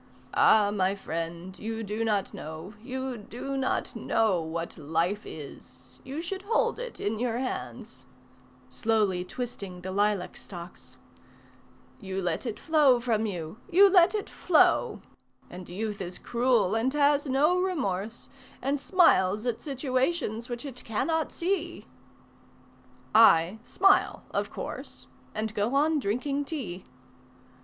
"Ah, my friend, you do not know, you do not know What life is, you should hold it in your hands"; (Slowly twisting the lilac stalks) "You let it flow from you, you let it flow, And youth is cruel, and has no remorse And smiles at situations which it cannot see." I smile, of course, And go on drinking tea.